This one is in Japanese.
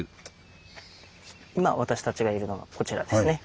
今私たちがいるのがこちらですね。